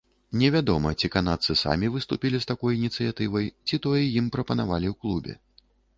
Невядома, ці канадцы самі выступілі з такой ініцыятывай, ці тое ім прапанавалі ў клубе.